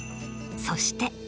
そして。